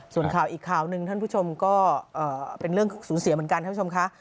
ส่วนข่าวอีกข่าวหนึ่งท่านผู้ชมก็เป็นเรื่องสูญเสียเหมือนกันท่านผู้ชมค่ะ